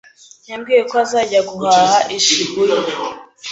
Yambwiye ko azajya guhaha i Shibuya.